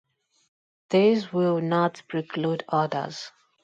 This will not preclude others.